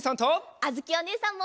あづきおねえさんも。